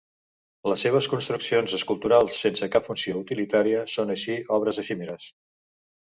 Les seves construccions, esculturals sense cap funció utilitària, són així obres efímeres.